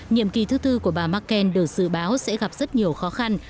nhiệm kỳ thứ tư của bà merkel được dự báo sẽ gặp rất nhiều khó khăn